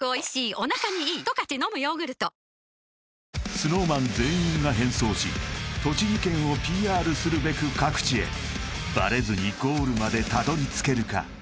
ＳｎｏｗＭａｎ全員が変装し栃木県をＰＲするべく各地へバレずにゴールまでたどり着けるか？